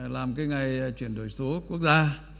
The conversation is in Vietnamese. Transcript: làm cái ngày chuyển đổi số quốc gia